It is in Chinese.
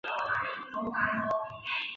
楮头红为野牡丹科肉穗草属下的一个种。